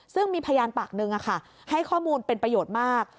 ซึ่งมีพยานปากหนึ่งให้ข้อมูลเป็นประโยชน์มาก